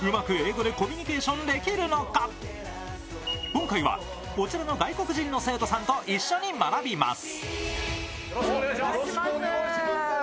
今回は、こちらの外国人の生徒さんと一緒に学びます。